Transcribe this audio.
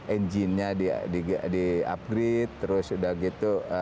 enginenya diupgrade terus udah gitu